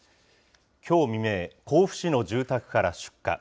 きょう未明、甲府市の住宅から出火。